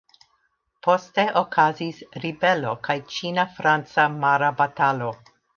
Poste okazis ribelo kaj ĉina-franca mara batalo.